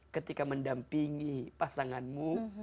ketika mendampingi pasanganmu